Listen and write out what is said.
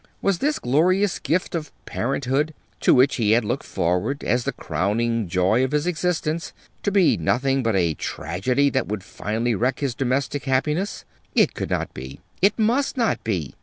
Was this glorious gift on parenthood to which he had looked forward as the crowning joy of his existence, to be nothing but a tragedy that would finally wreck his domestic happiness? It could not be. It must not be.